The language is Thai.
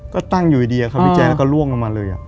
ก็ตั้งอยู่ดีครับพี่แจ๊แล้วก็ล่วงลงมาเลย